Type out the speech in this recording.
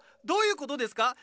どういう事ですか？